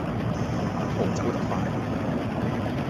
呀婆走得快